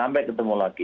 sampai ketemu lagi